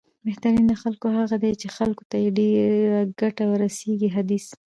بهترین د خلکو هغه دی، چې خلکو ته یې ډېره ګټه رسېږي، حدیث